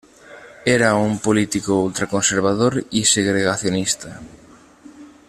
Era un político ultraconservador y segregacionista.